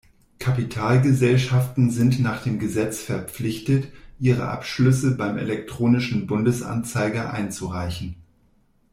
Kapitalgesellschaften sind nach dem Gesetz verpflichtet, ihre Abschlüsse beim elektronischen Bundesanzeiger einzureichen.